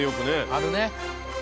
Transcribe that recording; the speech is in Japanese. あるね。